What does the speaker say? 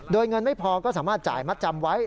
โดยเงินไม่พอก็สามารถจ่ายมัดจำไว้